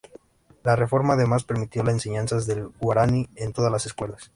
La reforma además permitió la enseñanza del guaraní en todas las escuelas.